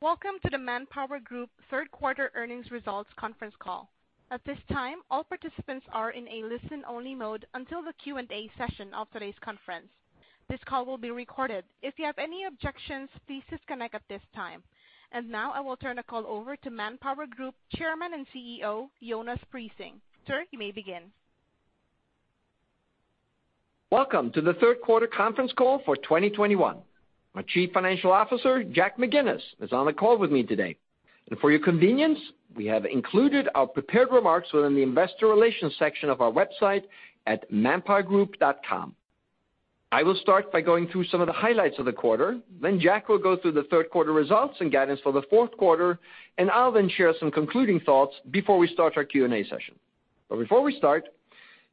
Welcome to the ManpowerGroup third quarter earnings results conference call. At this time, all participants are in a listen-only mode until the Q&A session of today's conference. This call will be recorded. If you have any objections, please disconnect at this time. Now I will turn the call over to ManpowerGroup Chairman and CEO, Jonas Prising. Sir, you may begin. Welcome to the third quarter conference call for 2021. My Chief Financial Officer, Jack McGinnis, is on the call with me today. For your convenience, we have included our prepared remarks within the investor relations section of our website at manpowergroup.com. I will start by going through some of the highlights of the quarter, then Jack will go through the third quarter results and guidance for the fourth quarter, and I'll then share some concluding thoughts before we start our Q&A session. Before we start,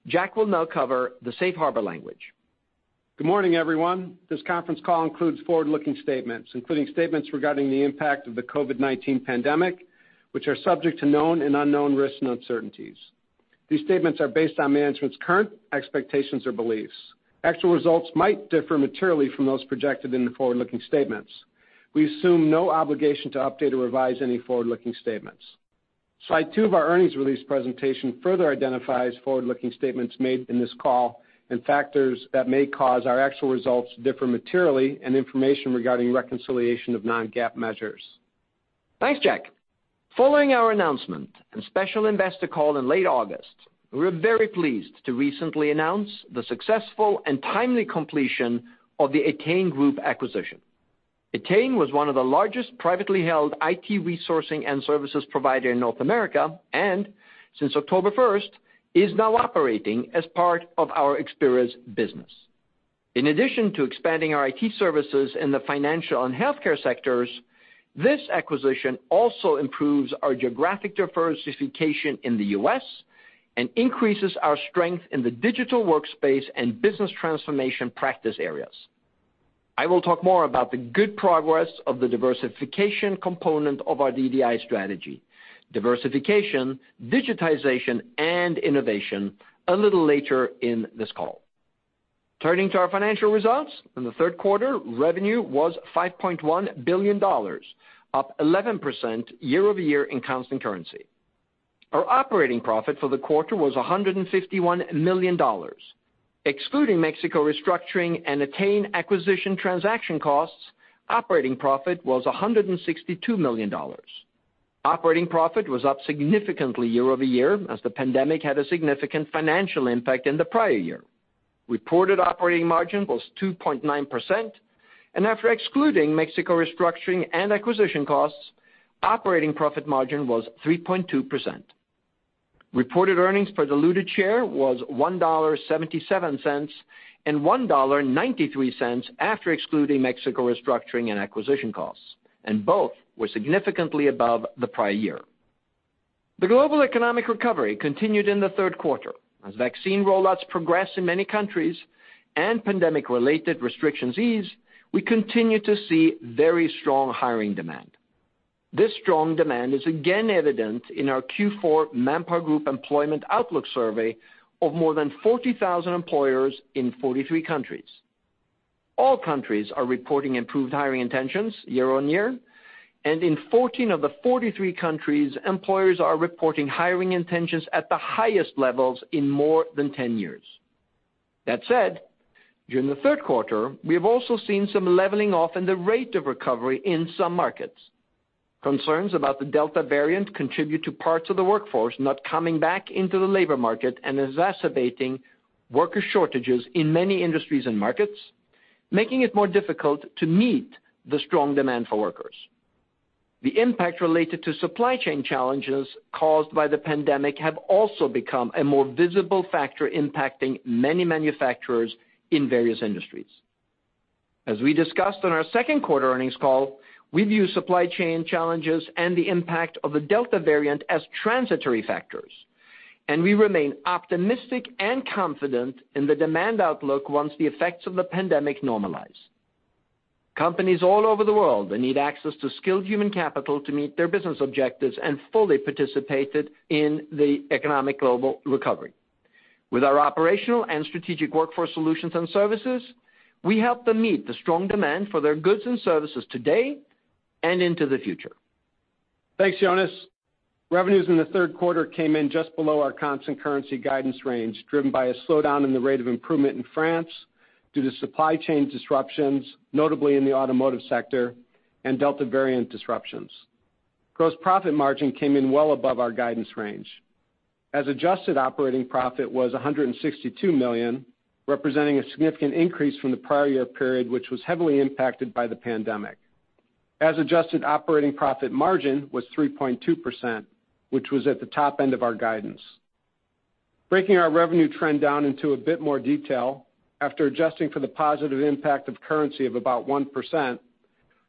Jack will now cover the safe harbor language. Good morning, everyone. This conference call includes forward-looking statements, including statements regarding the impact of the COVID-19 pandemic, which are subject to known and unknown risks and uncertainties. These statements are based on management's current expectations or beliefs. Actual results might differ materially from those projected in the forward-looking statements. We assume no obligation to update or revise any forward-looking statements. Slide two of our earnings release presentation further identifies forward-looking statements made in this call and factors that may cause our actual results to differ materially and information regarding reconciliation of non-GAAP measures. Thanks, Jack. Following our announcement and special investor call in late August, we're very pleased to recently announce the successful and timely completion of the Ettain Group acquisition. Ettain was one of the largest privately held IT resourcing and services provider in North America, and since October 1st, is now operating as part of our Experis business. In addition to expanding our IT services in the financial and healthcare sectors, this acquisition also improves our geographic diversification in the U.S. and increases our strength in the digital workspace and business transformation practice areas. I will talk more about the good progress of the diversification component of our DDI strategy: Diversification, Digitization, and Innovation, a little later in this call. Turning to our financial results, in the third quarter, revenue was $5.1 billion, up 11% year-over-year in constant currency. Our operating profit for the quarter was $151 million. Excluding Mexico restructuring and Ettain acquisition transaction costs, operating profit was $162 million. Operating profit was up significantly year-over-year, as the pandemic had a significant financial impact in the prior year. Reported operating margin was 2.9%, and after excluding Mexico restructuring and acquisition costs, operating profit margin was 3.2%. Reported earnings per diluted share was $1.77, and $1.93 after excluding Mexico restructuring and acquisition costs, and both were significantly above the prior year. The global economic recovery continued in the third quarter. As vaccine rollouts progress in many countries and pandemic-related restrictions ease, we continue to see very strong hiring demand. This strong demand is again evident in our Q4 ManpowerGroup Employment Outlook survey of more than 40,000 employers in 43 countries. All countries are reporting improved hiring intentions year-on-year, and in 14 of the 43 countries, employers are reporting hiring intentions at the highest levels in more than 10 years. That said, during the third quarter, we have also seen some leveling off in the rate of recovery in some markets. Concerns about the Delta variant contribute to parts of the workforce not coming back into the labor market and exacerbating worker shortages in many industries and markets, making it more difficult to meet the strong demand for workers. The impact related to supply chain challenges caused by the pandemic have also become a more visible factor impacting many manufacturers in various industries. As we discussed on our second quarter earnings call, we view supply chain challenges and the impact of the Delta variant as transitory factors, and we remain optimistic and confident in the demand outlook once the effects of the pandemic normalize. Companies all over the world, they need access to skilled human capital to meet their business objectives and fully participated in the economic global recovery. With our operational and strategic workforce solutions and services, we help them meet the strong demand for their goods and services today and into the future. Thanks, Jonas. Revenues in the third quarter came in just below our constant currency guidance range, driven by a slowdown in the rate of improvement in France due to supply chain disruptions, notably in the automotive sector, and Delta variant disruptions. Gross profit margin came in well above our guidance range. As adjusted operating profit was $162 million, representing a significant increase from the prior year period, which was heavily impacted by the pandemic. As adjusted operating profit margin was 3.2%, which was at the top end of our guidance. Breaking our revenue trend down into a bit more detail, after adjusting for the positive impact of currency of about 1%,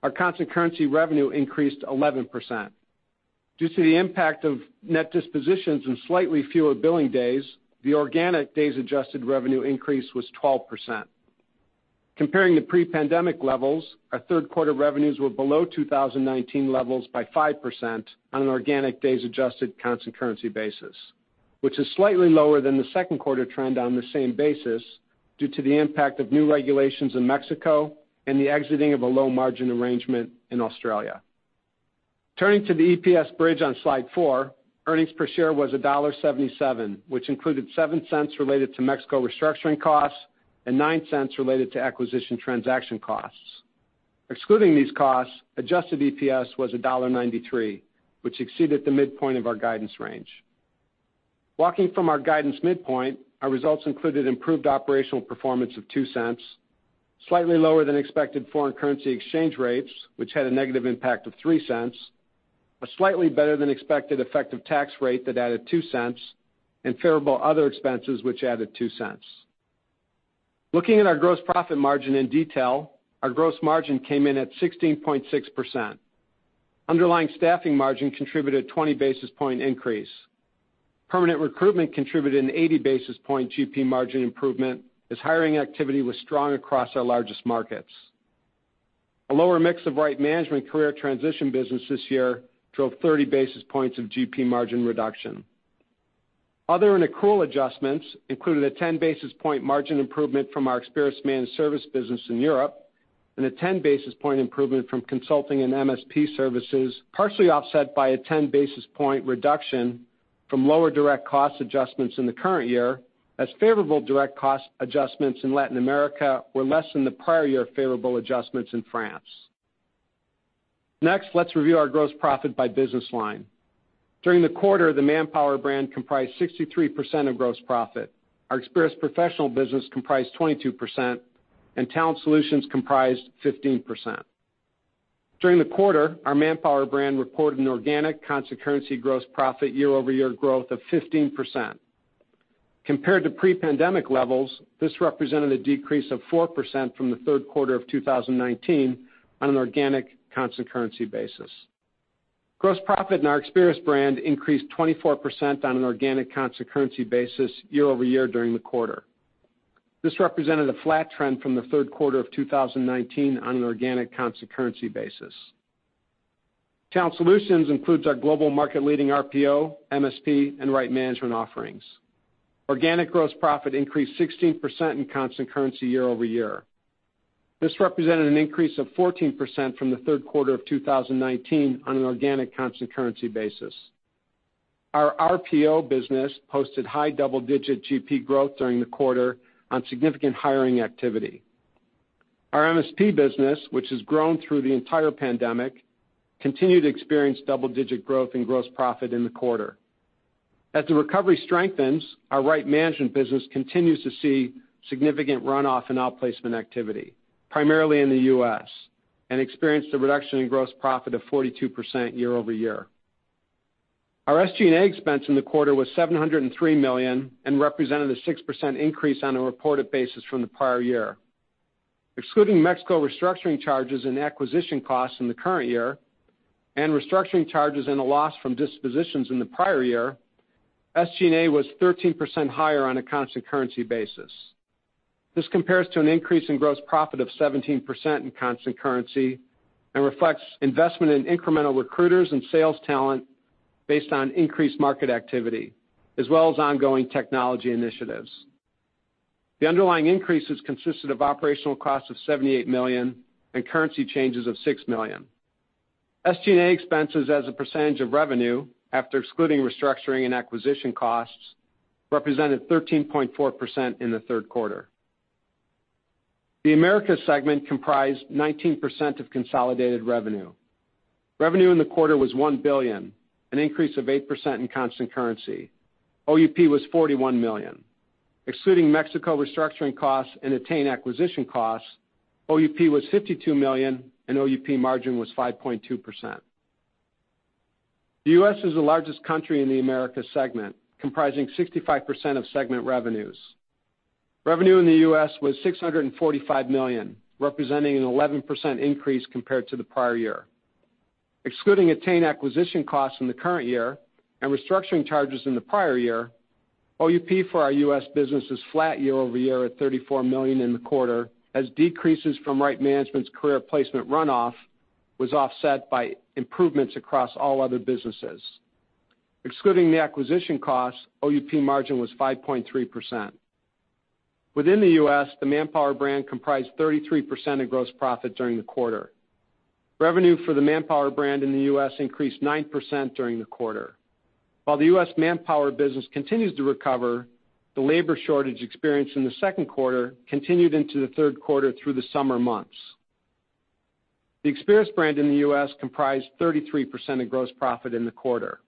our constant currency revenue increased 11%. Due to the impact of net dispositions and slightly fewer billing days, the organic days adjusted revenue increase was 12%. Comparing to pre-pandemic levels, our 3rd quarter revenues were below 2019 levels by 5% on an organic days adjusted constant currency basis, which is slightly lower than the 2nd quarter trend on the same basis due to the impact of new regulations in Mexico and the exiting of a low margin arrangement in Australia. Turning to the EPS bridge on Slide 4, earnings per share was $1.77, which included $0.07 related to Mexico restructuring costs and $0.09 related to acquisition transaction costs. Excluding these costs, adjusted EPS was $1.93, which exceeded the midpoint of our guidance range. Walking from our guidance midpoint, our results included improved operational performance of $0.02, slightly lower than expected foreign currency exchange rates, which had a negative impact of $0.03, a slightly better than expected effective tax rate that added $0.02, and favorable other expenses, which added $0.02. Looking at our gross profit margin in detail, our gross margin came in at 16.6%. Underlying staffing margin contributed a 20 basis point increase. Permanent recruitment contributed an 80 basis point GP margin improvement as hiring activity was strong across our largest markets. A lower mix of Right Management career transition business this year drove 30 basis points of GP margin reduction. Other and accrual adjustments included a 10 basis point margin improvement from our Experis managed service business in Europe, and a 10 basis point improvement from consulting and MSP services, partially offset by a 10 basis point reduction from lower direct cost adjustments in the current year, as favorable direct cost adjustments in Latin America were less than the prior year favorable adjustments in France. Let's review our gross profit by business line. During the quarter, the Manpower brand comprised 63% of gross profit. Our Experis professional business comprised 22%, and Talent Solutions comprised 15%. During the quarter, our Manpower brand reported an organic constant currency gross profit year-over-year growth of 15%. Compared to pre-pandemic levels, this represented a decrease of 4% from the third quarter of 2019 on an organic constant currency basis. Gross profit in our Experis brand increased 24% on an organic constant currency basis year-over-year during the quarter. This represented a flat trend from the third quarter of 2019 on an organic constant currency basis. Talent Solutions includes our global market leading RPO, MSP, and Right Management offerings. Organic gross profit increased 16% in constant currency year-over-year. This represented an increase of 14% from the third quarter of 2019 on an organic constant currency basis. Our RPO business posted high double-digit GP growth during the quarter on significant hiring activity. Our MSP business, which has grown through the entire pandemic, continued to experience double-digit growth in gross profit in the quarter. As the recovery strengthens, our Right Management business continues to see significant runoff in outplacement activity, primarily in the U.S., and experienced a reduction in gross profit of 42% year-over-year. Our SG&A expense in the quarter was $703 million and represented a 6% increase on a reported basis from the prior year. Excluding Mexico restructuring charges and acquisition costs in the current year, and restructuring charges and a loss from dispositions in the prior year, SG&A was 13% higher on a constant currency basis. This compares to an increase in gross profit of 17% in constant currency and reflects investment in incremental recruiters and sales talent based on increased market activity as well as ongoing technology initiatives. The underlying increases consisted of operational costs of $78 million and currency changes of $6 million. SG&A expenses as a percentage of revenue, after excluding restructuring and acquisition costs, represented 13.4% in the third quarter. The Americas segment comprised 19% of consolidated revenue. Revenue in the quarter was $1 billion, an increase of 8% in constant currency. OUP was $41 million. Excluding Mexico restructuring costs and ettain acquisition costs, OUP was $52 million, and OUP margin was 5.2%. The U.S. is the largest country in the Americas segment, comprising 65% of segment revenues. Revenue in the U.S. was $645 million, representing an 11% increase compared to the prior year. Excluding ettain acquisition costs in the current year and restructuring charges in the prior year, OUP for our U.S. business is flat year-over-year at $34 million in the quarter, as decreases from Right Management's career placement runoff was offset by improvements across all other businesses. Excluding the acquisition costs, OUP margin was 5.3%. Within the U.S., the Manpower brand comprised 33% of gross profit during the quarter. Revenue for the Manpower brand in the U.S. increased 9% during the quarter. While the U.S. Manpower business continues to recover, the labor shortage experienced in the second quarter continued into the third quarter through the summer months. The Experis brand in the U.S. comprised 33% of gross profit in the quarter.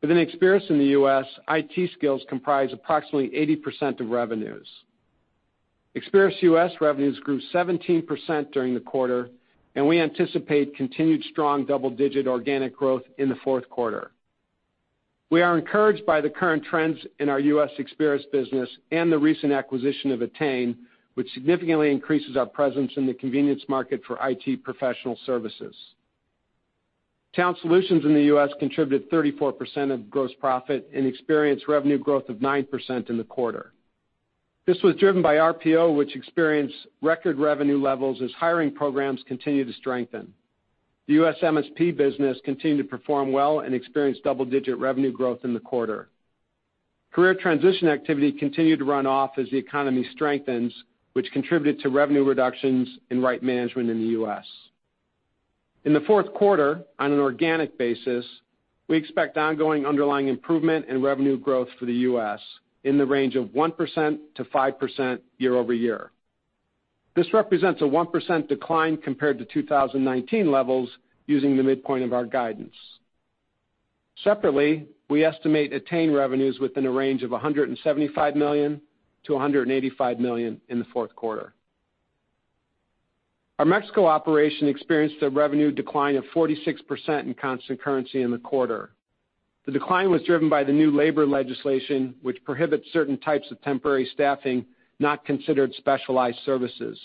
Within Experis in the U.S., IT skills comprise approximately 80% of revenues. Experis U.S. revenues grew 17% during the quarter, and we anticipate continued strong double-digit organic growth in the fourth quarter. We are encouraged by the current trends in our U.S. Experis business and the recent acquisition of ettain, which significantly increases our presence in the contingent market for IT professional services. Talent Solutions in the U.S. contributed 34% of gross profit and experienced revenue growth of 9% in the quarter. This was driven by RPO, which experienced record revenue levels as hiring programs continue to strengthen. The U.S. MSP business continued to perform well and experienced double-digit revenue growth in the quarter. Career transition activity continued to run off as the economy strengthens, which contributed to revenue reductions in Right Management in the U.S. In the fourth quarter, on an organic basis, we expect ongoing underlying improvement in revenue growth for the U.S. in the range of 1%-5% year-over-year. This represents a 1% decline compared to 2019 levels using the midpoint of our guidance. Separately, we estimate ettain revenues within a range of $175 million-$185 million in the fourth quarter. Our Mexico operation experienced a revenue decline of 46% in constant currency in the quarter. The decline was driven by the new labor legislation, which prohibits certain types of temporary staffing not considered specialized services.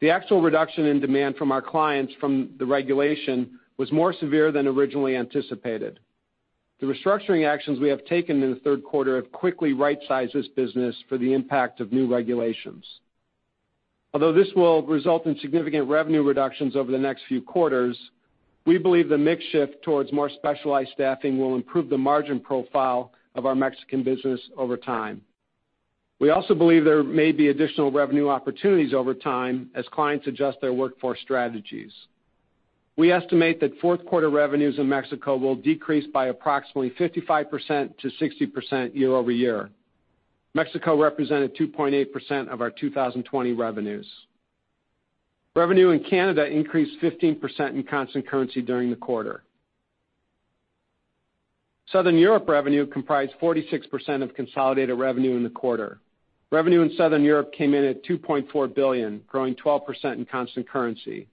The actual reduction in demand from our clients from the regulation was more severe than originally anticipated. The restructuring actions we have taken in the third quarter have quickly rightsized this business for the impact of new regulations. Although this will result in significant revenue reductions over the next few quarters, we believe the mix shift towards more specialized staffing will improve the margin profile of our Mexican business over time. We also believe there may be additional revenue opportunities over time as clients adjust their workforce strategies. We estimate that fourth quarter revenues in Mexico will decrease by approximately 55%-60% year-over-year. Mexico represented 2.8% of our 2020 revenues. Revenue in Canada increased 15% in constant currency during the quarter. Southern Europe revenue comprised 46% of consolidated revenue in the quarter. Revenue in Southern Europe came in at $2.4 billion, growing 12% in constant currency.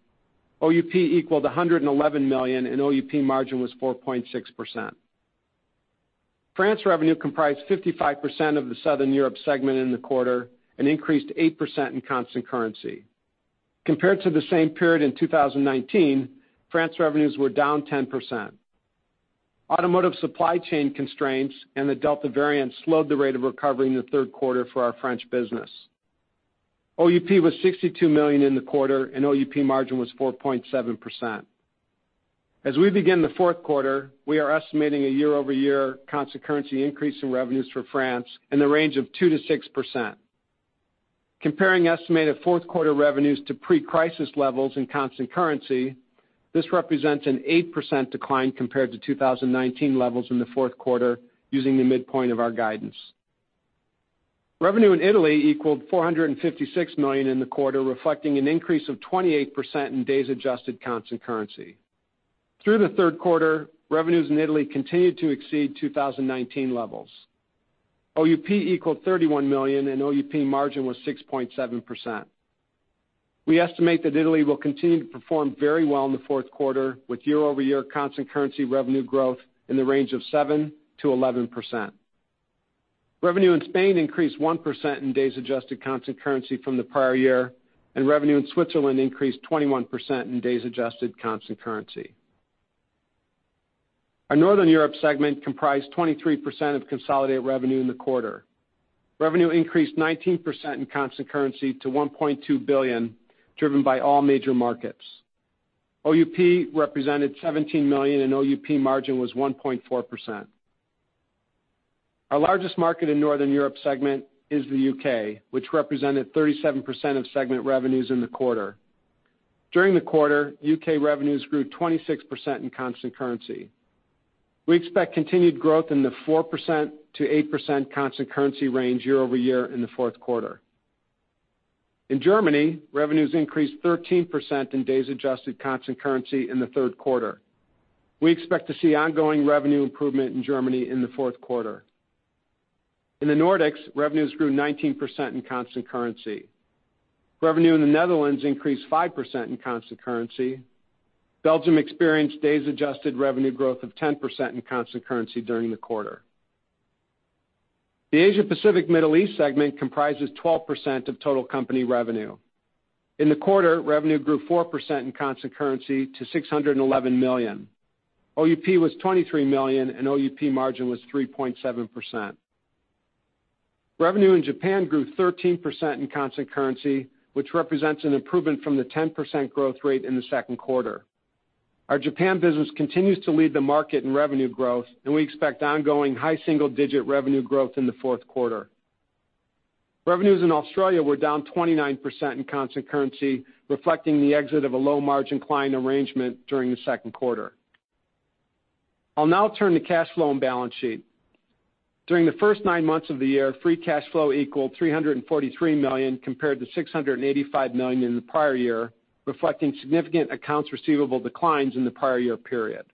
OUP equaled $111 million, and OUP margin was 4.6%. France revenue comprised 55% of the Southern Europe segment in the quarter and increased 8% in constant currency. Compared to the same period in 2019, France revenues were down 10%. Automotive supply chain constraints and the Delta variant slowed the rate of recovery in the third quarter for our French business. OUP was $62 million in the quarter, and OUP margin was 4.7%. As we begin the fourth quarter, we are estimating a year-over-year constant currency increase in revenues for France in the range of 2%-6%. Comparing estimated fourth quarter revenues to pre-crisis levels in constant currency, this represents an 8% decline compared to 2019 levels in the fourth quarter using the midpoint of our guidance. Revenue in Italy equaled $456 million in the quarter, reflecting an increase of 28% in days adjusted constant currency. Through the third quarter, revenues in Italy continued to exceed 2019 levels. OUP equaled $31 million, and OUP margin was 6.7%. We estimate that Italy will continue to perform very well in the fourth quarter with year-over-year constant currency revenue growth in the range of 7%-11%. Revenue in Spain increased 1% in days adjusted constant currency from the prior year, and revenue in Switzerland increased 21% in days adjusted constant currency. Our Northern Europe segment comprised 23% of consolidated revenue in the quarter. Revenue increased 19% in constant currency to $1.2 billion, driven by all major markets. OUP represented $17 million, and OUP margin was 1.4%. Our largest market in Northern Europe segment is the U.K., which represented 37% of segment revenues in the quarter. During the quarter, U.K. revenues grew 26% in constant currency. We expect continued growth in the 4%-8% constant currency range year-over-year in the fourth quarter. In Germany, revenues increased 13% in days adjusted constant currency in the third quarter. We expect to see ongoing revenue improvement in Germany in the fourth quarter. In the Nordics, revenues grew 19% in constant currency. Revenue in the Netherlands increased 5% in constant currency. Belgium experienced days adjusted revenue growth of 10% in constant currency during the quarter. The Asia Pacific Middle East segment comprises 12% of total company revenue. In the quarter, revenue grew 4% in constant currency to $611 million. OUP was $23 million, and OUP margin was 3.7%. Revenue in Japan grew 13% in constant currency, which represents an improvement from the 10% growth rate in the second quarter. Our Japan business continues to lead the market in revenue growth, and we expect ongoing high single-digit revenue growth in the fourth quarter. Revenues in Australia were down 29% in constant currency, reflecting the exit of a low-margin client arrangement during the second quarter. I'll now turn to cash flow and balance sheet. During the first nine months of the year, free cash flow equaled $343 million compared to $685 million in the prior year, reflecting significant accounts receivable declines in the prior year period.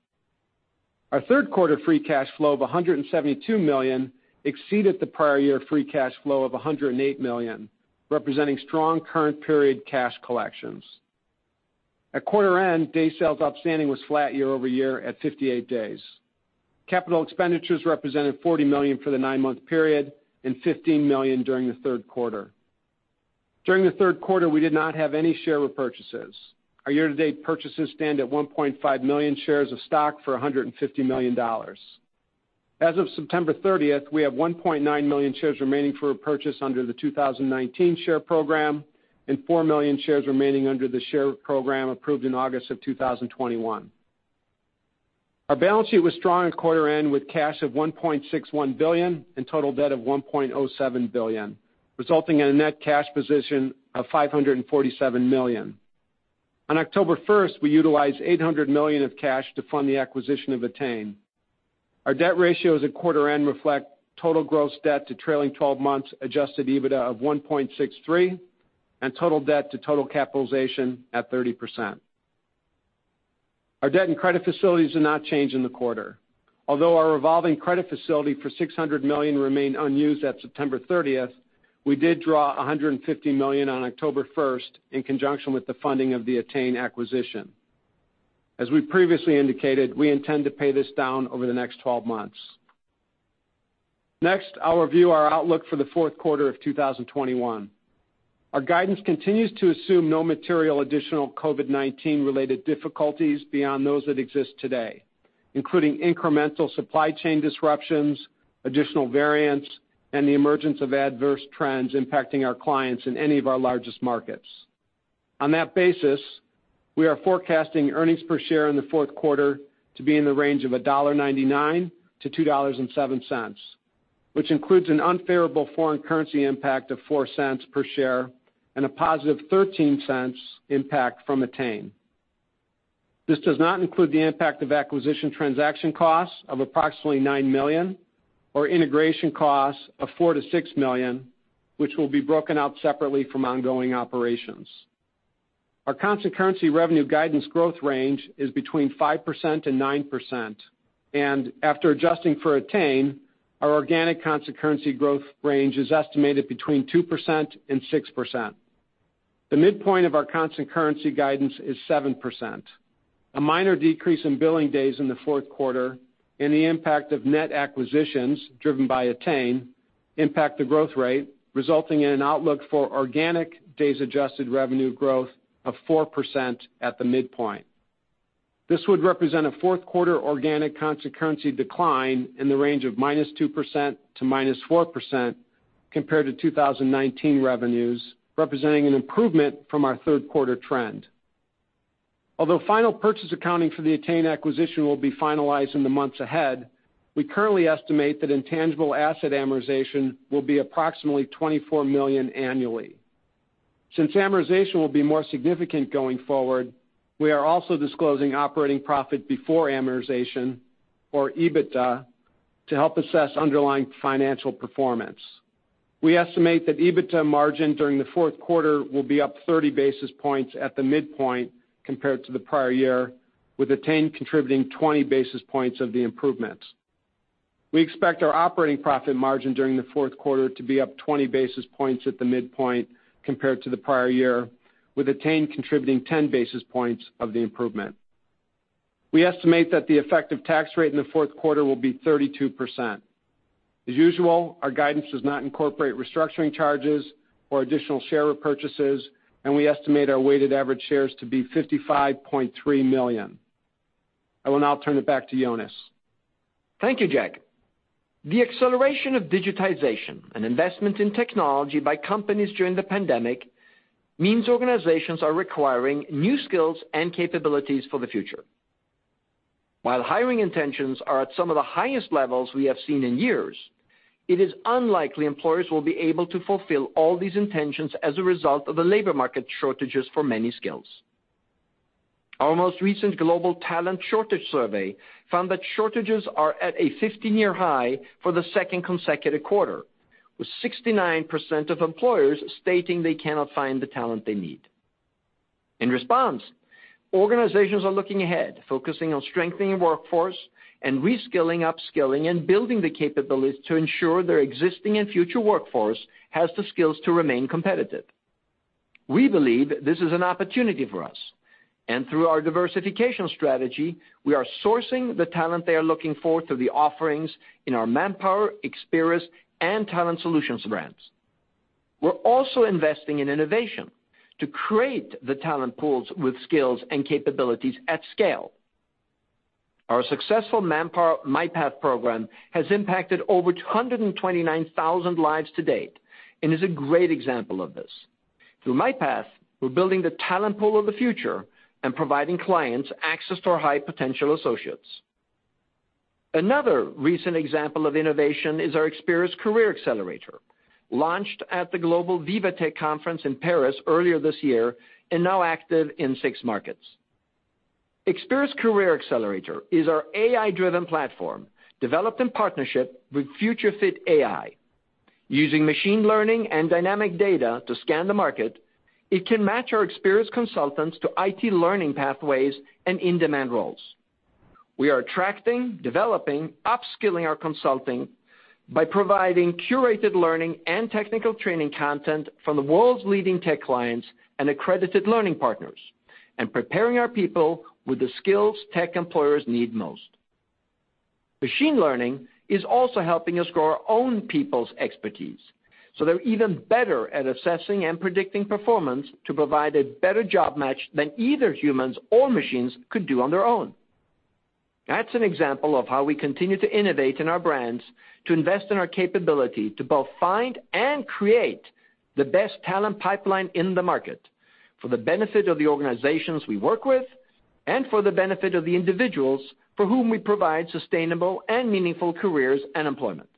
Our third quarter free cash flow of $172 million exceeded the prior year free cash flow of $108 million, representing strong current period cash collections. At quarter end, day sales outstanding was flat year-over-year at 58 days. Capital expenditures represented $40 million for the nine-month period and $15 million during the third quarter. During the third quarter, we did not have any share repurchases. Our year-to-date purchases stand at 1.5 million shares of stock for $150 million. As of September 30th, we have 1.9 million shares remaining for purchase under the 2019 share program and 4 million shares remaining under the share program approved in August of 2021. Our balance sheet was strong at quarter-end with cash of $1.61 billion and total debt of $1.07 billion, resulting in a net cash position of $547 million. On October 1st, we utilized $800 million of cash to fund the acquisition of ettain. Our debt ratios at quarter end reflect total gross debt to trailing 12 months adjusted EBITDA of 1.63 and total debt to total capitalization at 30%. Our debt and credit facilities did not change in the quarter. Although our revolving credit facility for $600 million remained unused at September 30th, we did draw $150 million on October 1st in conjunction with the funding of the ettain acquisition. As we previously indicated, we intend to pay this down over the next 12 months. Next, I'll review our outlook for the fourth quarter of 2021. Our guidance continues to assume no material additional COVID-19 related difficulties beyond those that exist today, including incremental supply chain disruptions, additional variants, and the emergence of adverse trends impacting our clients in any of our largest markets. On that basis, we are forecasting earnings per share in the fourth quarter to be in the range of $1.99 to $2.07, which includes an unfavorable foreign currency impact of $0.04 per share and a positive $0.13 impact from ettain. This does not include the impact of acquisition transaction costs of approximately $9 million or integration costs of $4 million-$6 million, which will be broken out separately from ongoing operations. Our constant currency revenue guidance growth range is between 5% and 9%, and after adjusting for ettain, our organic constant currency growth range is estimated between 2% and 6%. The midpoint of our constant currency guidance is 7%. A minor decrease in billing days in the fourth quarter and the impact of net acquisitions driven by ettain impact the growth rate, resulting in an outlook for organic days adjusted revenue growth of 4% at the midpoint. This would represent a fourth quarter organic constant currency decline in the range of -2% to -4% compared to 2019 revenues, representing an improvement from our third quarter trend. Although final purchase accounting for the ettain acquisition will be finalized in the months ahead, we currently estimate that intangible asset amortization will be approximately $24 million annually. Since amortization will be more significant going forward, we are also disclosing operating profit before amortization, or EBITDA, to help assess underlying financial performance. We estimate that EBITDA margin during the fourth quarter will be up 30 basis points at the midpoint compared to the prior year, with ettain contributing 20 basis points of the improvements. We expect our operating profit margin during the fourth quarter to be up 20 basis points at the midpoint compared to the prior year, with ettain contributing 10 basis points of the improvement. We estimate that the effective tax rate in the fourth quarter will be 32%. As usual, our guidance does not incorporate restructuring charges or additional share repurchases, and we estimate our weighted average shares to be 55.3 million. I will now turn it back to Jonas. Thank you, Jack. The acceleration of digitization and investment in technology by companies during the pandemic means organizations are requiring new skills and capabilities for the future. While hiring intentions are at some of the highest levels we have seen in years, it is unlikely employers will be able to fulfill all these intentions as a result of the labor market shortages for many skills. Our most recent global talent shortage survey found that shortages are at a 15-year high for the second consecutive quarter, with 69% of employers stating they cannot find the talent they need. In response, organizations are looking ahead, focusing on strengthening their workforce and reskilling, upskilling, and building the capabilities to ensure their existing and future workforce has the skills to remain competitive. We believe this is an opportunity for us, and through our diversification strategy, we are sourcing the talent they are looking for through the offerings in our Manpower, Experis, and Talent Solutions brands. We're also investing in innovation to create the talent pools with skills and capabilities at scale. Our successful Manpower MyPath program has impacted over 229,000 lives to date and is a great example of this. Through MyPath, we're building the talent pool of the future and providing clients access to our high-potential associates. Another recent example of innovation is our Experis Career Accelerator, launched at the Viva Technology conference in Paris earlier this year and now active in 6 markets. Experis Career Accelerator is our AI-driven platform developed in partnership with FutureFit AI. Using machine learning and dynamic data to scan the market, it can match our Experis consultants to IT learning pathways and in-demand roles. We are attracting, developing, upskilling our consulting by providing curated learning and technical training content from the world's leading tech clients and accredited learning partners, and preparing our people with the skills tech employers need most. Machine learning is also helping us grow our own people's expertise, so they're even better at assessing and predicting performance to provide a better job match than either humans or machines could do on their own. That's an example of how we continue to innovate in our brands to invest in our capability to both find and create the best talent pipeline in the market for the benefit of the organizations we work with, and for the benefit of the individuals for whom we provide sustainable and meaningful careers and employment.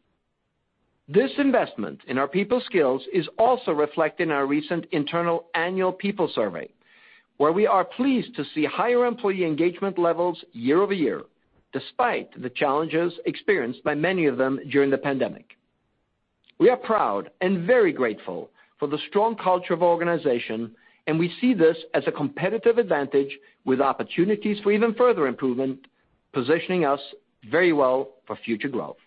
This investment in our people skills is also reflected in our recent internal annual people survey, where we are pleased to see higher employee engagement levels year-over-year, despite the challenges experienced by many of them during the pandemic. We are proud and very grateful for the strong culture of organization, and we see this as a competitive advantage with opportunities for even further improvement, positioning us very well for future growth.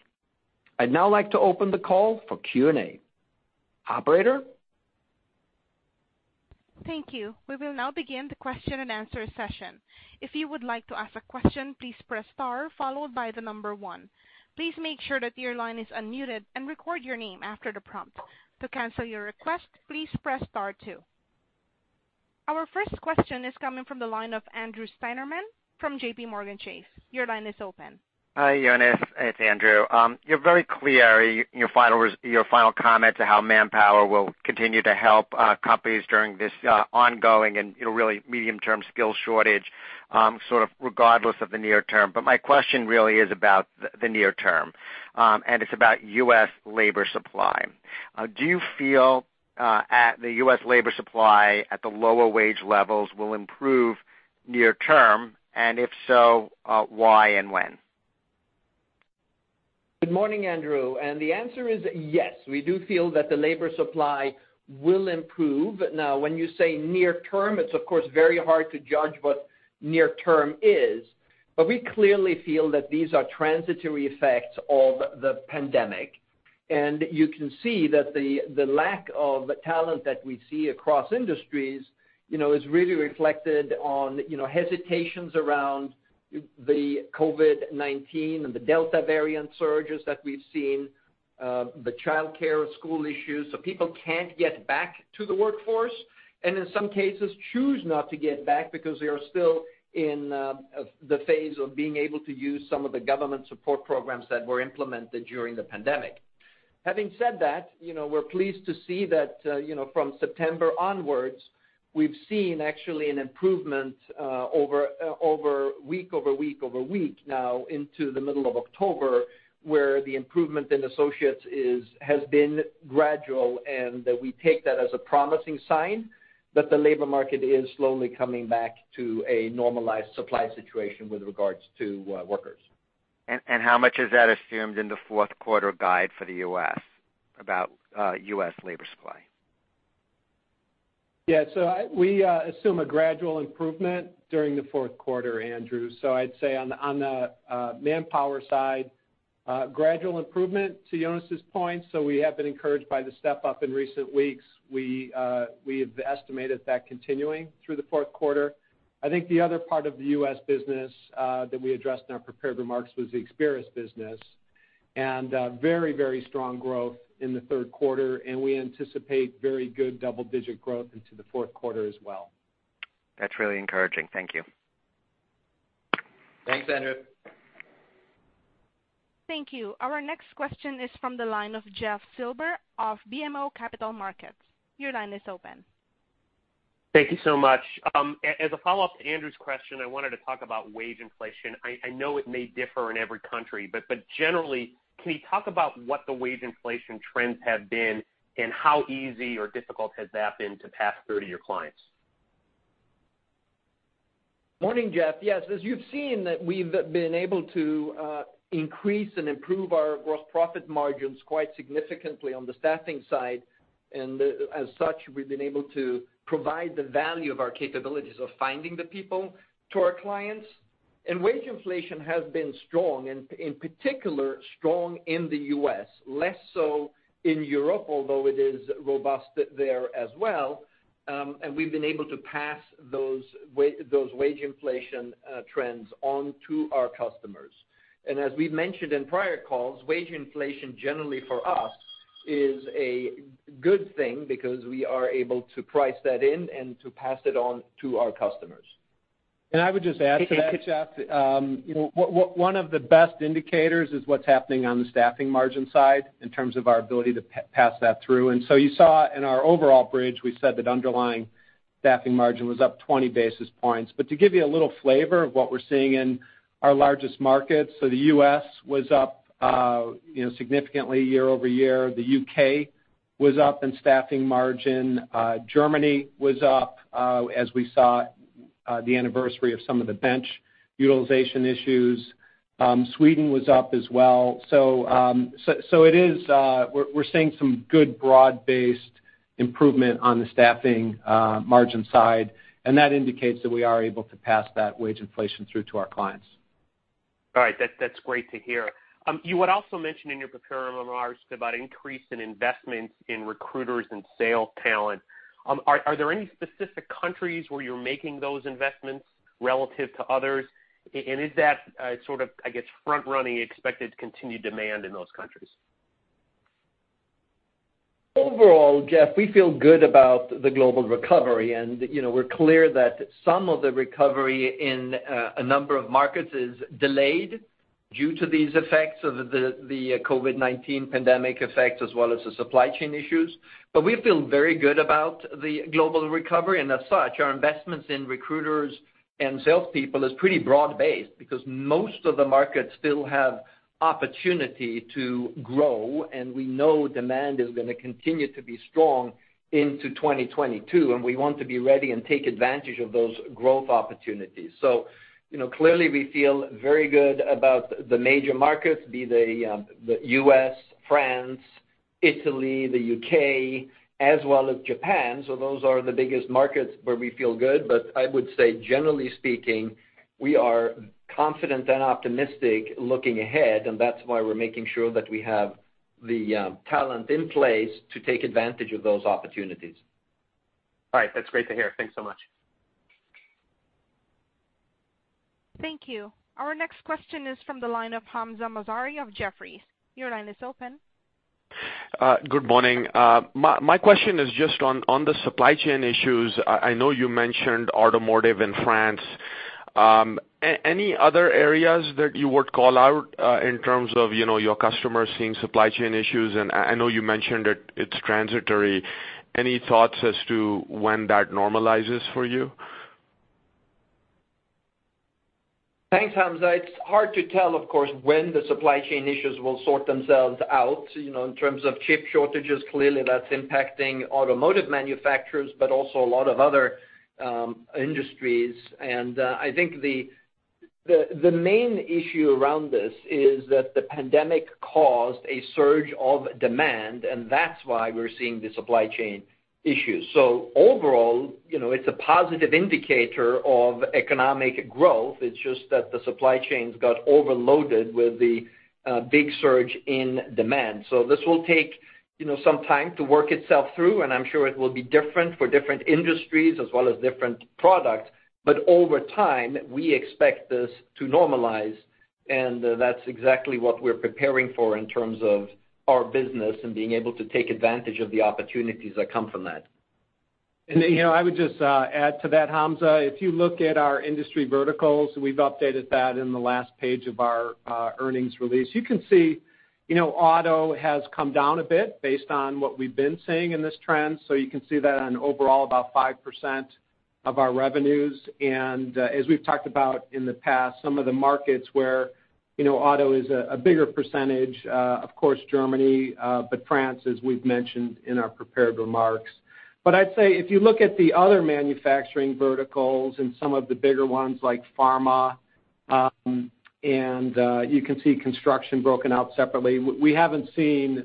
I'd now like to open the call for Q&A. Operator? Thank you. Our first question is coming from the line of Andrew Steinerman from JPMorgan Chase. Your line is open. Hi, Jonas. It's Andrew. You're very clear in your final comment to how Manpower will continue to help companies during this ongoing and really medium term skills shortage, sort of regardless of the near term. My question really is about the near term, and it's about U.S. labor supply. Do you feel the U.S. labor supply at the lower wage levels will improve near term, and if so, why and when? Good morning, Andrew. The answer is yes. We do feel that the labor supply will improve. When you say near term, it's of course very hard to judge what near term is. We clearly feel that these are transitory effects of the pandemic. You can see that the lack of talent that we see across industries is really reflected on hesitations around the COVID-19 and the Delta variant surges that we've seen, the childcare school issues. People can't get back to the workforce, and in some cases, choose not to get back because they are still in the phase of being able to use some of the government support programs that were implemented during the pandemic. Having said that, we're pleased to see that from September onwards, we've seen actually an improvement week over week over week now into the middle of October, where the improvement in associates has been gradual. We take that as a promising sign that the labor market is slowly coming back to a normalized supply situation with regards to workers. How much is that assumed in the fourth quarter guide for the U.S., about U.S. labor supply? Yeah. We assume a gradual improvement during the fourth quarter, Andrew. I'd say on the Manpower side, gradual improvement to Jonas' point. We have been encouraged by the step-up in recent weeks. We have estimated that continuing through the fourth quarter. I think the other part of the U.S. business that we addressed in our prepared remarks was the Experis business, and very strong growth in the third quarter, and we anticipate very good double digit growth into the fourth quarter as well. That's really encouraging. Thank you. Thanks, Andrew. Thank you. Our next question is from the line of Jeffrey Silber of BMO Capital Markets. Your line is open. Thank you so much. As a follow-up to Andrew's question, I wanted to talk about wage inflation. I know it may differ in every country, but generally, can you talk about what the wage inflation trends have been, and how easy or difficult has that been to pass through to your clients? Morning, Jeffrey Silber. Yes. As you've seen, we've been able to increase and improve our gross profit margins quite significantly on the staffing side. As such, we've been able to provide the value of our capabilities of finding the people to our clients. Wage inflation has been strong, and in particular, strong in the U.S., less so in Europe, although it is robust there as well. We've been able to pass those wage inflation trends on to our customers. As we've mentioned in prior calls, wage inflation generally for us is a good thing because we are able to price that in and to pass it on to our customers. I would just add to that, Jeff. One of the best indicators is what's happening on the staffing margin side in terms of our ability to pass that through. You saw in our overall bridge, we said that underlying staffing margin was up 20 basis points. To give you a little flavor of what we're seeing in our largest markets, the U.S. was up significantly year-over-year. The U.K. was up in staffing margin. Germany was up as we saw the anniversary of some of the bench utilization issues. Sweden was up as well. We're seeing some good broad-based improvement on the staffing margin side, and that indicates that we are able to pass that wage inflation through to our clients. All right. That's great to hear. You had also mentioned in your prepared remarks about increase in investments in recruiters and sales talent. Are there any specific countries where you're making those investments relative to others? Is that sort of, I guess, front-running expected continued demand in those countries? Overall, Jeff, we feel good about the global recovery. We're clear that some of the recovery in a number of markets is delayed due to these effects of the COVID-19 pandemic effect, as well as the supply chain issues. We feel very good about the global recovery, and as such, our investments in recruiters and salespeople is pretty broad-based, because most of the markets still have opportunity to grow, and we know demand is going to continue to be strong into 2022, and we want to be ready and take advantage of those growth opportunities. Clearly, we feel very good about the major markets, be they the U.S., France, Italy, the U.K., as well as Japan. Those are the biggest markets where we feel good. I would say, generally speaking, we are confident and optimistic looking ahead, and that's why we're making sure that we have the talent in place to take advantage of those opportunities. All right. That's great to hear. Thanks so much. Thank you. Our next question is from the line of Hamzah Mazari of Jefferies. Your line is open. Good morning. My question is just on the supply chain issues. I know you mentioned automotive in France. Any other areas that you would call out in terms of your customers seeing supply chain issues? I know you mentioned that it's transitory. Any thoughts as to when that normalizes for you? Thanks, Hamzah. It's hard to tell, of course, when the supply chain issues will sort themselves out. In terms of chip shortages, clearly that's impacting automotive manufacturers, but also a lot of other industries. I think the main issue around this is that the pandemic caused a surge of demand, and that's why we're seeing the supply chain issues. Overall, it's a positive indicator of economic growth. It's just that the supply chains got overloaded with the big surge in demand. This will take some time to work itself through, and I'm sure it will be different for different industries as well as different products. Over time, we expect this to normalize, and that's exactly what we're preparing for in terms of our business and being able to take advantage of the opportunities that come from that. I would just add to that, Hamza, if you look at our industry verticals, we've updated that in the last page of our earnings release. You can see auto has come down a bit based on what we've been seeing in this trend. You can see that on overall about 5% of our revenues. As we've talked about in the past, some of the markets where auto is a bigger percentage, of course, Germany, but France, as we've mentioned in our prepared remarks. I'd say if you look at the other manufacturing verticals and some of the bigger ones like pharma, and you can see construction broken out separately, we haven't seen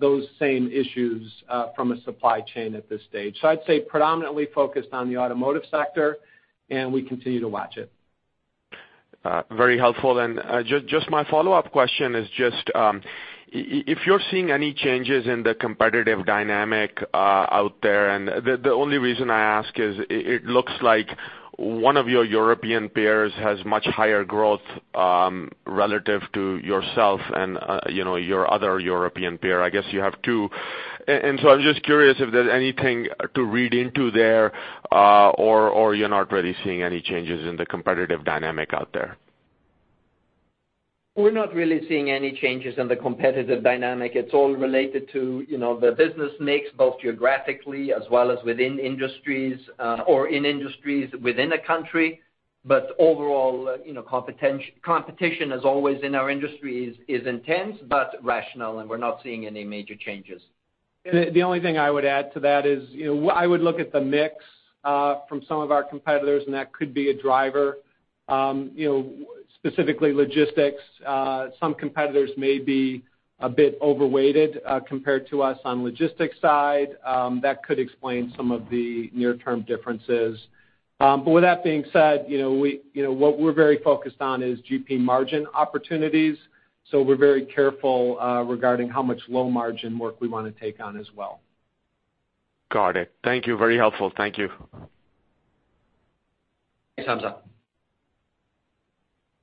those same issues from a supply chain at this stage. I'd say predominantly focused on the automotive sector, and we continue to watch it. Very helpful. Just my follow-up question is just if you're seeing any changes in the competitive dynamic out there. The only reason I ask is it looks like one of your European peers has much higher growth relative to yourself and your other European peer. I guess you have two. So I'm just curious if there's anything to read into there, or you're not really seeing any changes in the competitive dynamic out there. We're not really seeing any changes in the competitive dynamic. It's all related to the business mix, both geographically as well as within industries or in industries within a country. Overall, competition, as always in our industry, is intense but rational, and we're not seeing any major changes. The only thing I would add to that is I would look at the mix from some of our competitors, and that could be a driver. Specifically logistics. Some competitors may be a bit overweighted compared to us on logistics side. That could explain some of the near-term differences. With that being said, what we're very focused on is GP margin opportunities. We're very careful regarding how much low-margin work we want to take on as well. Got it. Thank you. Very helpful. Thank you. Thanks, Hamzah.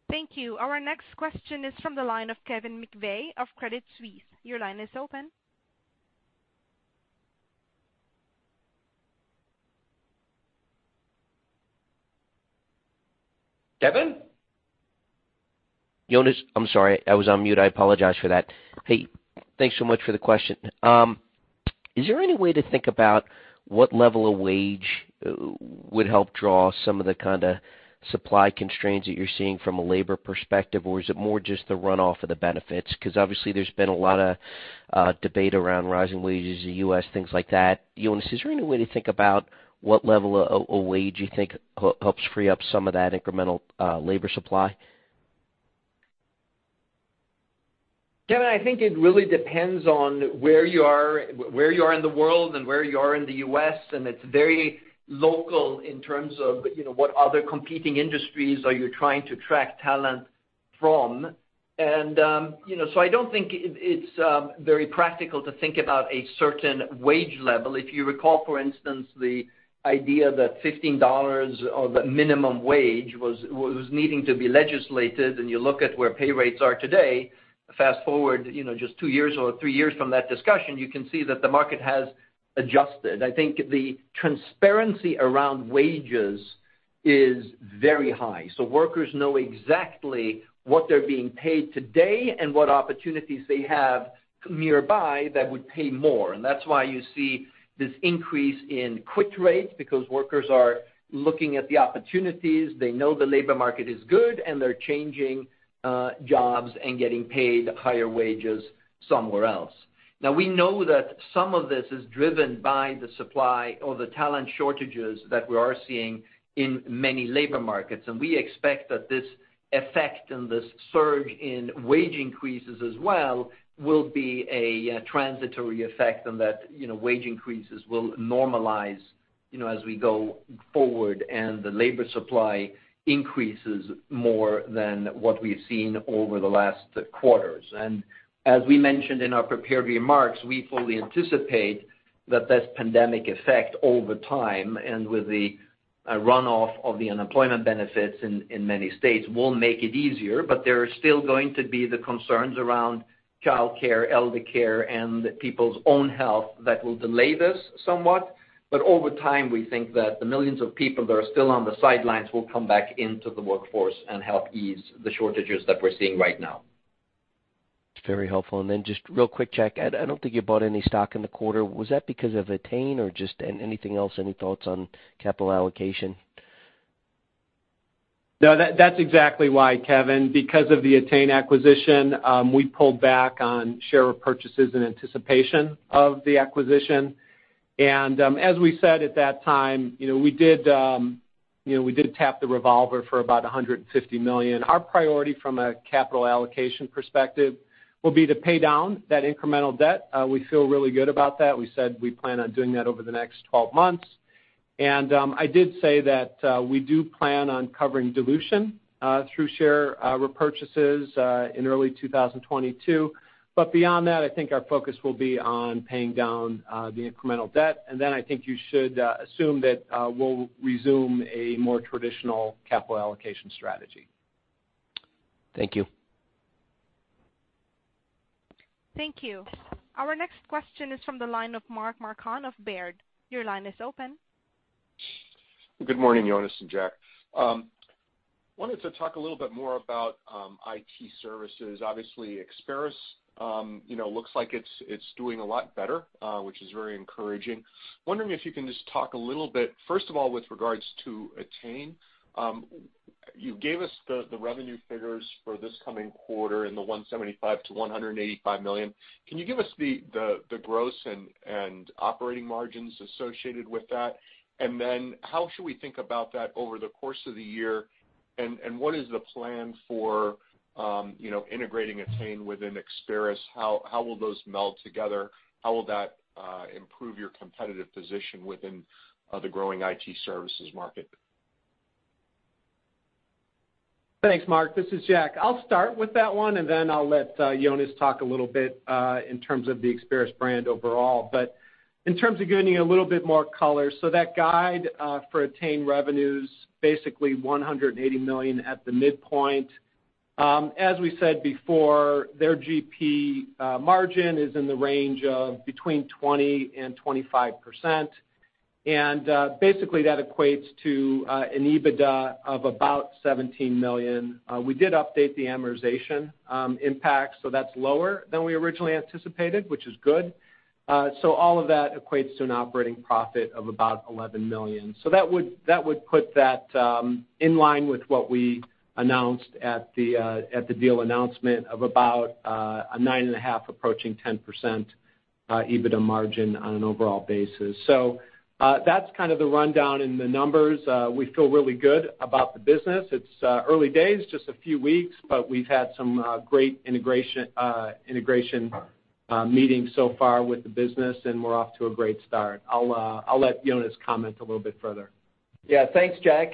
Thank you. Our next question is from the line of Kevin McVeigh of Credit Suisse. Your line is open. Kevin? Jonas, I'm sorry. I was on mute. I apologize for that. Hey, thanks so much for the question. Is there any way to think about what level of wage would help draw some of the kind of supply constraints that you're seeing from a labor perspective, or is it more just the runoff of the benefits? Because obviously there's been a lot of debate around rising wages in the U.S., things like that. Jonas, is there any way to think about what level of wage you think helps free up some of that incremental labor supply? Kevin, I think it really depends on where you are in the world and where you are in the U.S., it's very local in terms of what other competing industries are you trying to attract talent from. I don't think it's very practical to think about a certain wage level. If you recall, for instance, the idea that $15 or the minimum wage was needing to be legislated, and you look at where pay rates are today. Fast-forward just 2 years or 3 years from that discussion, you can see that the market has adjusted. I think the transparency around wages is very high, workers know exactly what they're being paid today and what opportunities they have nearby that would pay more. That's why you see this increase in quit rates, because workers are looking at the opportunities. They know the labor market is good, and they're changing jobs and getting paid higher wages somewhere else. We know that some of this is driven by the supply or the talent shortages that we are seeing in many labor markets, and we expect that this effect and this surge in wage increases as well will be a transitory effect and that wage increases will normalize as we go forward and the labor supply increases more than what we've seen over the last quarters. As we mentioned in our prepared remarks, we fully anticipate that this pandemic effect over time and with the runoff of the unemployment benefits in many states will make it easier. There are still going to be the concerns around childcare, elder care, and people's own health that will delay this somewhat. Over time, we think that the millions of people that are still on the sidelines will come back into the workforce and help ease the shortages that we're seeing right now. That's very helpful. Just real quick, Jack, I don't think you bought any stock in the quarter. Was that because of ettain or just anything else? Any thoughts on capital allocation? No, that's exactly why, Kevin. Because of the ettain acquisition, we pulled back on share repurchases in anticipation of the acquisition. As we said at that time, we did tap the revolver for about $150 million. Our priority from a capital allocation perspective will be to pay down that incremental debt. We feel really good about that. We said we plan on doing that over the next 12 months. I did say that we do plan on covering dilution through share repurchases in early 2022. Beyond that, I think our focus will be on paying down the incremental debt. Then I think you should assume that we'll resume a more traditional capital allocation strategy. Thank you. Thank you. Our next question is from the line of Mark Marcon of Baird. Your line is open. Good morning, Jonas and Jack. I wanted to talk a little bit more about IT services. Obviously, Experis looks like it's doing a lot better, which is very encouraging. I'm wondering if you can just talk a little bit, first of all, with regards to ettain. You gave us the revenue figures for this coming quarter in the $175 million-$185 million. Can you give us the gross and operating margins associated with that? How should we think about that over the course of the year? What is the plan for integrating ettain within Experis? How will those meld together? How will that improve your competitive position within the growing IT services market? Thanks, Mark. This is Jack. I'll start with that one, and then I'll let Jonas talk a little bit in terms of the Experis brand overall. In terms of giving you a little bit more color, that guide for ettain revenues, basically $180 million at the midpoint. As we said before, their GP margin is in the range of between 20%-25%. Basically that equates to an EBITDA of about $17 million. We did update the amortization impact, that's lower than we originally anticipated, which is good. All of that equates to an operating profit of about $11 million. That would put that in line with what we announced at the deal announcement of about a 9.5%, approaching 10% EBITDA margin on an overall basis. That's kind of the rundown in the numbers. We feel really good about the business. It's early days, just a few weeks, but we've had some great integration meetings so far with the business, and we're off to a great start. I'll let Jonas comment a little bit further. Yeah. Thanks, Jack.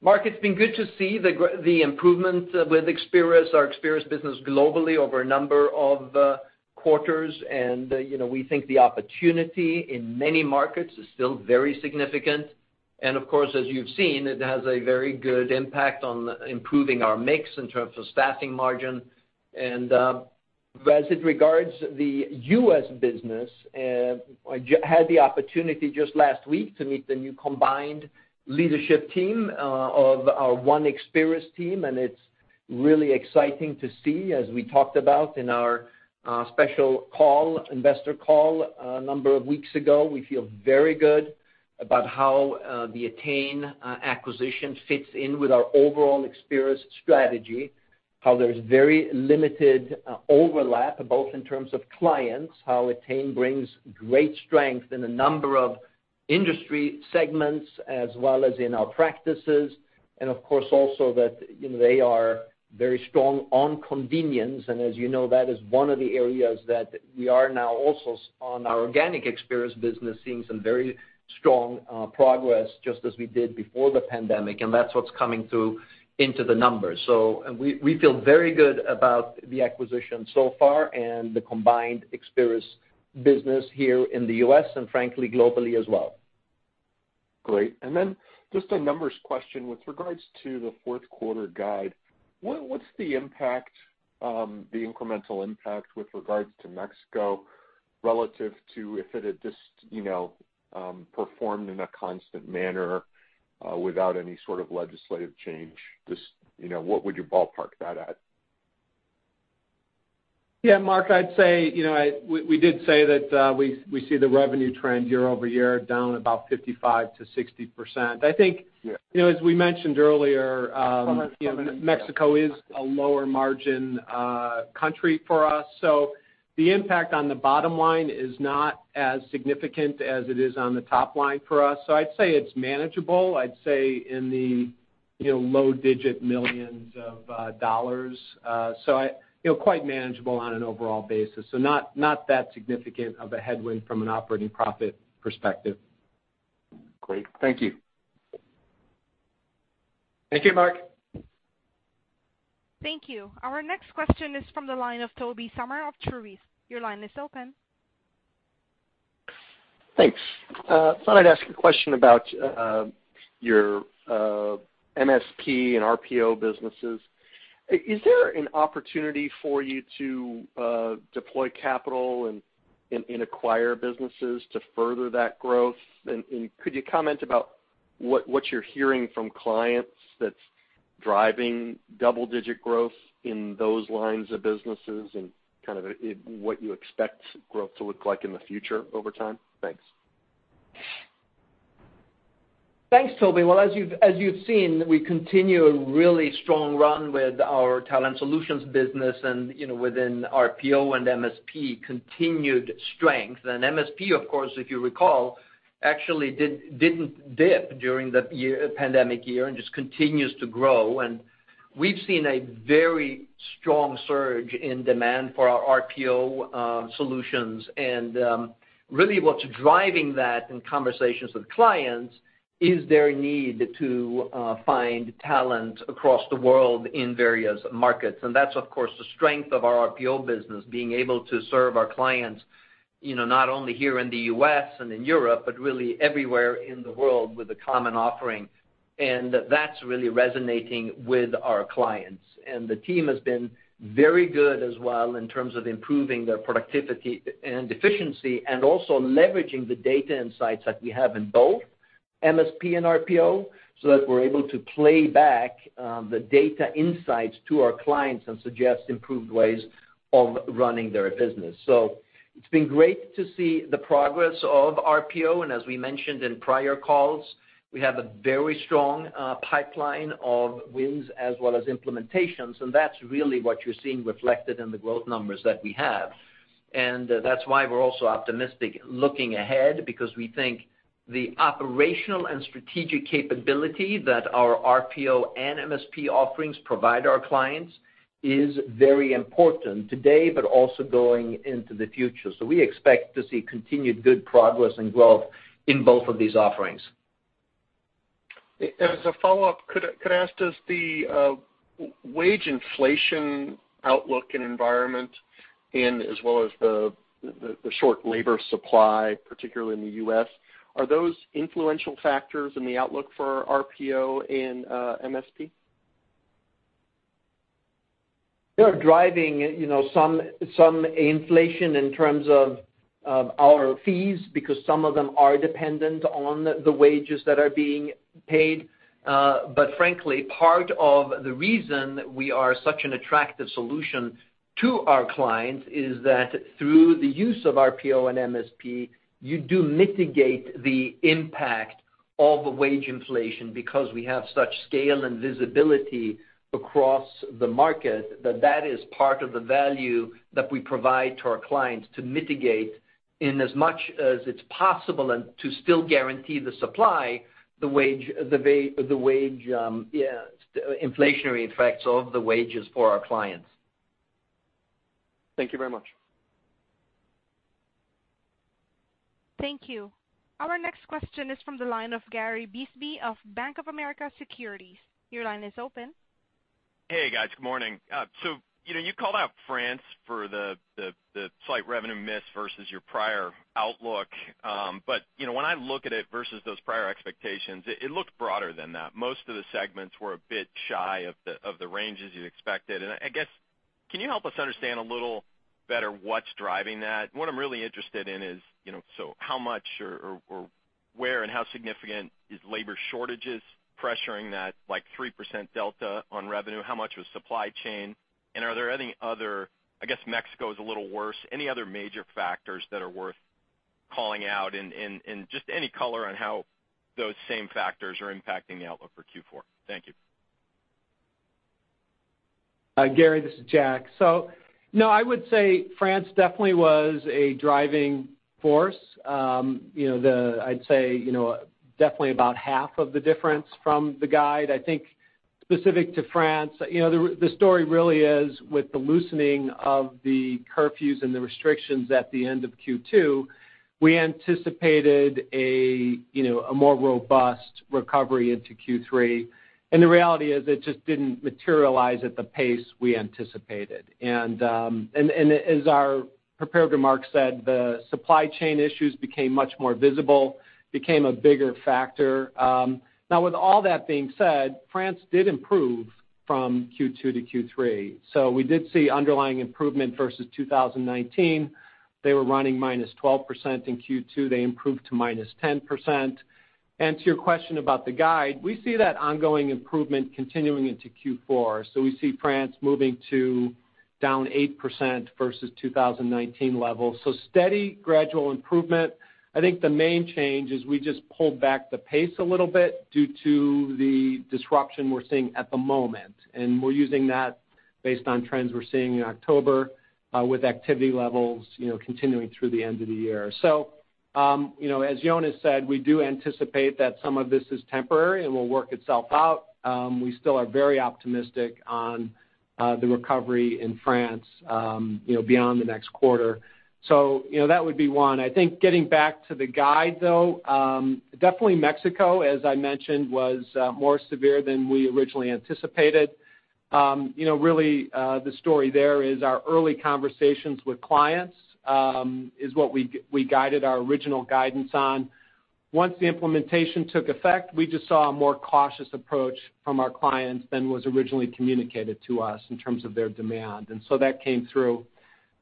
Mark, it's been good to see the improvement with our Experis business globally over a number of quarters. We think the opportunity in many markets is still very significant. Of course, as you've seen, it has a very good impact on improving our mix in terms of staffing margin. As it regards the U.S. business, I had the opportunity just last week to meet the new combined leadership team of our One Experis team, and it's really exciting to see, as we talked about in our special call, investor call a number of weeks ago. We feel very good about how the ettain acquisition fits in with our overall Experis strategy, how there's very limited overlap, both in terms of clients, how ettain brings great strength in a number of industry segments as well as in our practices. Of course also that they are very strong on contingent. As you know, that is one of the areas that we are now also on our organic Experis business, seeing some very strong progress just as we did before the pandemic, and that's what's coming through into the numbers. We feel very good about the acquisition so far and the combined Experis business here in the U.S. and frankly, globally as well. Great. Then just a numbers question. With regards to the fourth quarter guide, what's the incremental impact with regards to Mexico relative to if it had just performed in a constant manner without any sort of legislative change? Just what would you ballpark that at? Yeah, Mark, I'd say, we did say that we see the revenue trend year-over-year down about 55%-60%. Excellent Mexico is a lower margin country for us, the impact on the bottom line is not as significant as it is on the top line for us. I'd say it's manageable. I'd say in the low digit millions of dollars. Quite manageable on an overall basis. Not that significant of a headwind from an operating profit perspective. Great. Thank you. Thank you, Mark. Thank you. Our next question is from the line of Tobey Sommer of Truist. Your line is open. Thanks. Thought I'd ask a question about your MSP and RPO businesses. Is there an opportunity for you to deploy capital and acquire businesses to further that growth? Could you comment about what you're hearing from clients that's driving double-digit growth in those lines of businesses and kind of what you expect growth to look like in the future over time? Thanks. Thanks, Toby. Well, as you've seen, we continue a really strong run with our Talent Solutions business and within RPO and MSP, continued strength. MSP, of course, if you recall, actually didn't dip during the pandemic year and just continues to grow. We've seen a very strong surge in demand for our RPO solutions. Really what's driving that in conversations with clients is their need to find talent across the world in various markets. That's, of course, the strength of our RPO business, being able to serve our clients, not only here in the U.S. and in Europe, but really everywhere in the world with a common offering. That's really resonating with our clients. The team has been very good as well in terms of improving their productivity and efficiency, also leveraging the data insights that we have in both MSP and RPO, so that we're able to play back the data insights to our clients and suggest improved ways of running their business. It's been great to see the progress of RPO, and as we mentioned in prior calls, we have a very strong pipeline of wins as well as implementations, and that's really what you're seeing reflected in the growth numbers that we have. That's why we're also optimistic looking ahead, because we think the operational and strategic capability that our RPO and MSP offerings provide our clients is very important today, but also going into the future. We expect to see continued good progress and growth in both of these offerings. As a follow-up, could I ask, does the wage inflation outlook and environment in as well as the short labor supply, particularly in the U.S., are those influential factors in the outlook for RPO and MSP? They are driving some inflation in terms of our fees, because some of them are dependent on the wages that are being paid. Frankly, part of the reason we are such an attractive solution to our clients is that through the use of RPO and MSP, you do mitigate the impact of wage inflation because we have such scale and visibility across the market that that is part of the value that we provide to our clients to mitigate in as much as it's possible and to still guarantee the supply, the wage inflationary effects of the wages fareor our clients. Thank you very much. Thank you. Our next question is from the line of Gary Bisbee of Bank of America Securities. Your line is open. Hey, guys. Good morning. You called out France for the slight revenue miss versus your prior outlook. When I look at it versus those prior expectations, it looked broader than that. Most of the segments were a bit shy of the ranges you expected. I guess, can you help us understand a little better what's driving that? What I'm really interested in is, how much or where and how significant is labor shortages pressuring that 3% delta on revenue? How much was supply chain? Are there any other, I guess Mexico is a little worse, any other major factors that are worth calling out? Just any color on how those same factors are impacting the outlook for Q4. Thank you. Gary, this is Jack. No, I would say France definitely was a driving force. I'd say definitely about half of the difference from the guide. Specific to France, the story really is with the loosening of the curfews and the restrictions at the end of Q2, we anticipated a more robust recovery into Q3. The reality is it just didn't materialize at the pace we anticipated. As our prepared remarks said, the supply chain issues became much more visible, became a bigger factor. With all that being said, France did improve from Q2 to Q3. We did see underlying improvement versus 2019. They were running -12% in Q2. They improved to -10%. To your question about the guide, we see that ongoing improvement continuing into Q4. We see France moving to down 8% versus 2019 levels. Steady, gradual improvement. I think the main change is we just pulled back the pace a little bit due to the disruption we're seeing at the moment, and we're using that based on trends we're seeing in October with activity levels continuing through the end of the year. As Jonas said, we do anticipate that some of this is temporary and will work itself out. We still are very optimistic on the recovery in France beyond the next quarter. That would be one. I think getting back to the guide, though, definitely Mexico, as I mentioned, was more severe than we originally anticipated. Really, the story there is our early conversations with clients is what we guided our original guidance on. Once the implementation took effect, we just saw a more cautious approach from our clients than was originally communicated to us in terms of their demand. That came through.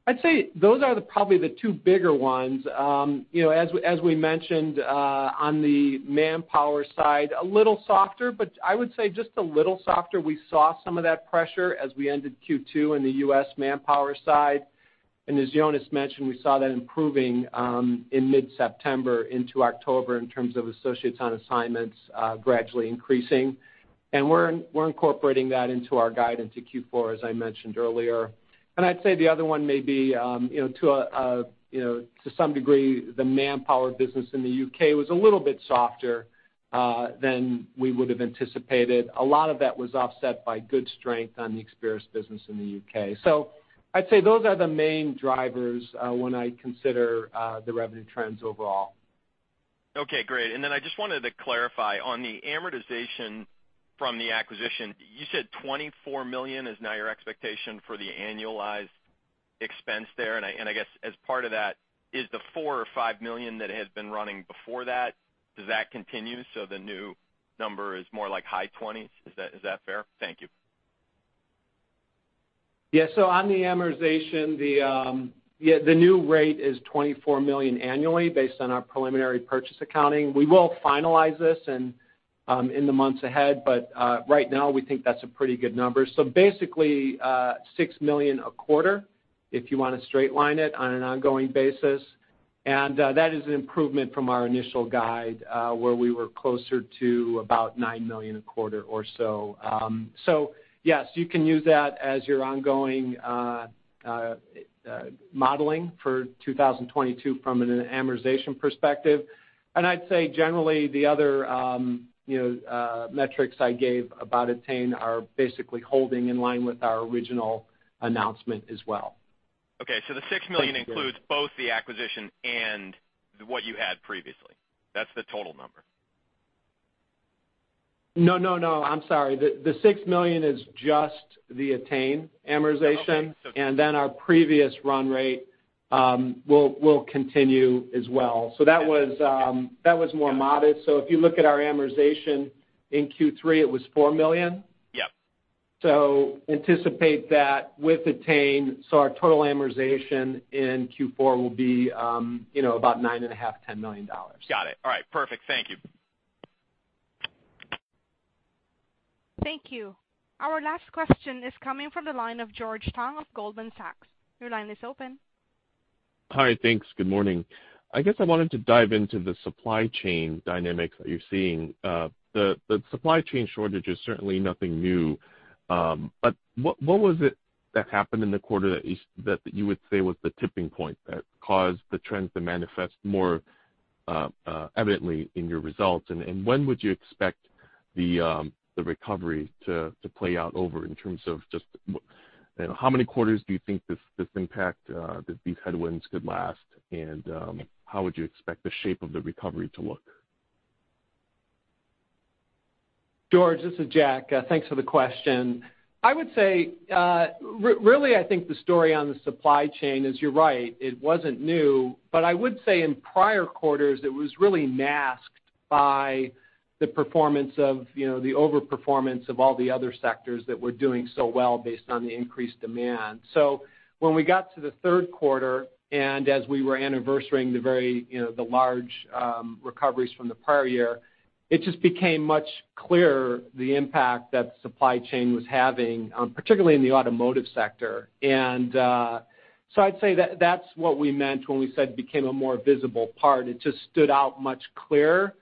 I'd say those are probably the two bigger ones. As we mentioned on the Manpower side, a little softer, but I would say just a little softer. We saw some of that pressure as we ended Q2 in the U.S. Manpower side. As Jonas mentioned, we saw that improving in mid-September into October in terms of associates on assignments gradually increasing. We're incorporating that into our guidance to Q4, as I mentioned earlier. I'd say the other one may be to some degree, the ManpowerGroup business in the U.K. was a little bit softer than we would have anticipated. A lot of that was offset by good strength on the Experis business in the U.K. I'd say those are the main drivers when I consider the revenue trends overall. Okay, great. Then I just wanted to clarify, on the amortization from the acquisition, you said $24 million is now your expectation for the annualized expense there. I guess as part of that, is the $4 or $5 million that has been running before that, does that continue, so the new number is more like high 20s? Is that fair? Thank you. On the amortization, the new rate is $24 million annually based on our preliminary purchase accounting. We will finalize this in the months ahead, but right now, we think that's a pretty good number. Basically, $6 million a quarter, if you want to straight line it on an ongoing basis. That is an improvement from our initial guide where we were closer to about $9 million a quarter or so. Yes, you can use that as your ongoing modeling for 2022 from an amortization perspective. I'd say generally, the other metrics I gave about ettain are basically holding in line with our original announcement as well. Okay. The $6 million includes both the acquisition and what you had previously. That's the total number. No, I'm sorry. The $6 million is just the ettain amortization. Okay. Our previous run rate will continue as well. That was more modest. If you look at our amortization in Q3, it was $4 million. Yep. Anticipate that with ettain. Our total amortization in Q4 will be about nine and a half, $10 million. Got it. All right, perfect. Thank you. Thank you. Our last question is coming from the line of George Tong of Goldman Sachs. Your line is open. Hi, thanks. Good morning. I guess I wanted to dive into the supply chain dynamics that you're seeing. The supply chain shortage is certainly nothing new. But what was it that happened in the quarter that you would say was the tipping point that caused the trends to manifest more evidently in your results? And when would you expect the recovery to play out over in terms of just how many quarters do you think this impact, these headwinds could last and how would you expect the shape of the recovery to look? George, this is Jack. Thanks for the question. I would say, really, I think the story on the supply chain is you're right, it wasn't new. I would say in prior quarters, it was really masked by the over-performance of all the other sectors that were doing so well based on the increased demand. When we got to the third quarter, and as we were anniversarying the large recoveries from the prior year, it just became much clearer the impact that supply chain was having, particularly in the automotive sector. I'd say that's what we meant when we said it became a more visible part. It just stood out much clearer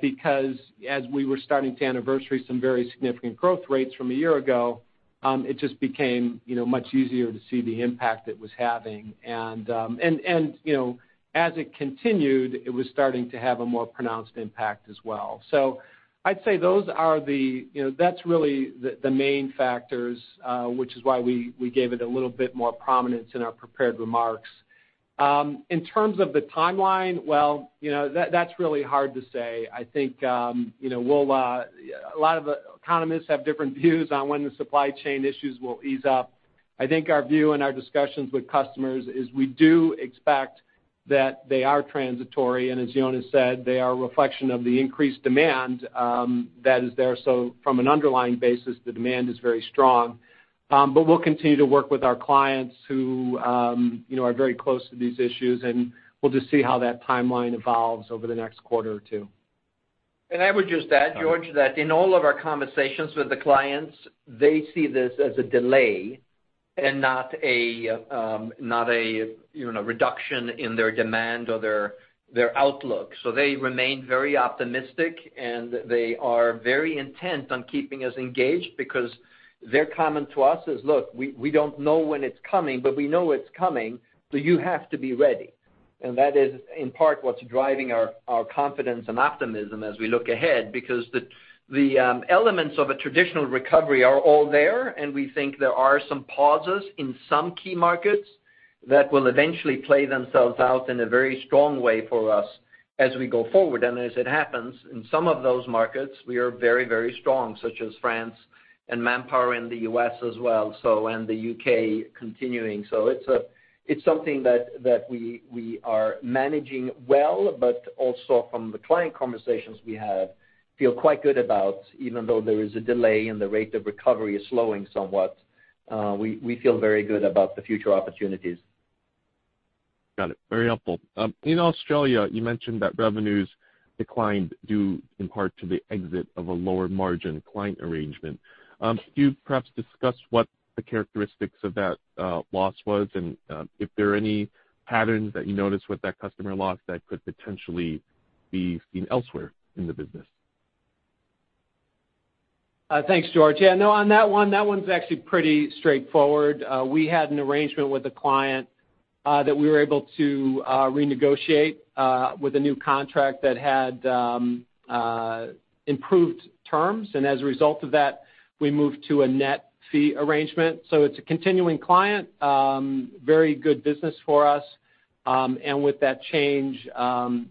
because as we were starting to anniversary some very significant growth rates from a year ago. It just became much easier to see the impact it was having. As it continued, it was starting to have a more pronounced impact as well. I'd say that's really the main factors, which is why we gave it a little bit more prominence in our prepared remarks. In terms of the timeline, well, that's really hard to say. I think a lot of economists have different views on when the supply chain issues will ease up. I think our view and our discussions with customers is we do expect that they are transitory, and as Jonas said, they are a reflection of the increased demand that is there. From an underlying basis, the demand is very strong. We'll continue to work with our clients who are very close to these issues, and we'll just see how that timeline evolves over the next quarter or two. I would just add, George, that in all of our conversations with the clients, they see this as a delay and not a reduction in their demand or their outlook. They remain very optimistic, and they are very intent on keeping us engaged because their comment to us is, "Look, we don't know when it's coming, but we know it's coming, so you have to be ready." That is in part what's driving our confidence and optimism as we look ahead because the elements of a traditional recovery are all there, and we think there are some pauses in some key markets that will eventually play themselves out in a very strong way for us as we go forward. As it happens, in some of those markets, we are very, very strong, such as France and Manpower in the U.S. as well, and the U.K., continuing. It's something that we are managing well, but also from the client conversations we have, feel quite good about, even though there is a delay and the rate of recovery is slowing somewhat. We feel very good about the future opportunities. Got it. Very helpful. In Australia, you mentioned that revenues declined due in part to the exit of a lower-margin client arrangement. Could you perhaps discuss what the characteristics of that loss was and if there are any patterns that you noticed with that customer loss that could potentially be seen elsewhere in the business? Thanks, George. Yeah, no, on that one, that one's actually pretty straightforward. We had an arrangement with a client that we were able to renegotiate with a new contract that had improved terms. As a result of that, we moved to a net fee arrangement. It's a continuing client, very good business for us. With that change,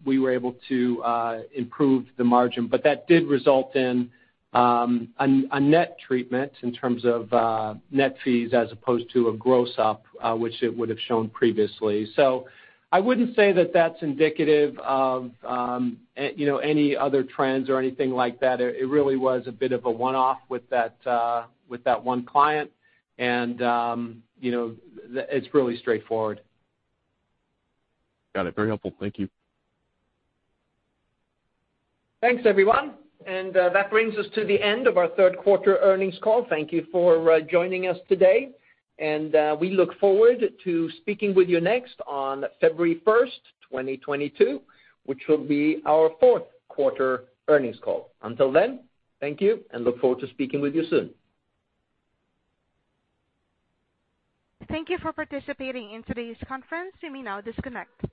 we were able to improve the margin. That did result in a net treatment in terms of net fees as opposed to a gross-up, which it would have shown previously. I wouldn't say that that's indicative of any other trends or anything like that. It really was a bit of a one-off with that one client. It's really straightforward. Got it. Very helpful. Thank you. Thanks, everyone. That brings us to the end of our third quarter earnings call. Thank you for joining us today, and we look forward to speaking with you next on February 1st, 2022, which will be our fourth quarter earnings call. Until then, thank you, and look forward to speaking with you soon. Thank you for participating in today's conference. You may now disconnect.